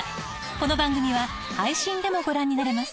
この番組は配信でもご覧になれます